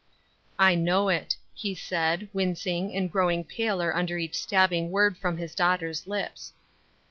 " I know it," he said, wincing, and growing paler under each stabbing word from his daugh ter's lips.